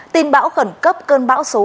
tin bão khẩn cấp cơn bão số hai